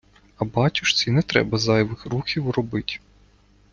А батюшці не треба зайвих рухів робить.